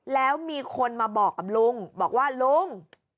แล้วมีคนมาบอกกับลุงบอกว่าลุง